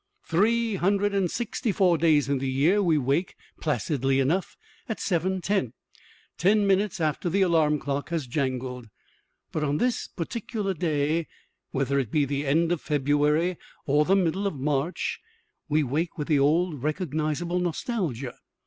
Three hundred and sixty four days in the year we wake, placidly enough, at seven ten, ten minutes after the alarm clock has jangled. But on this particular day, whether it be the end of February or the middle of March, we wake with the old recognizable nostalgia.